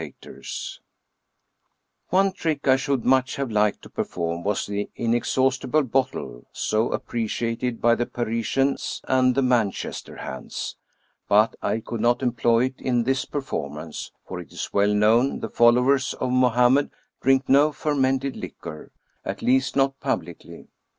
225 True Stories of Modem Magic One trick I should much have liked to perform was the inexhaustible bottle, so appreciated by the Parisians and the Manchester " hands "; but I could not employ it in this performance, for it is well known the followers of Mo hammed drink no fermented liquor — ^at least not publicly.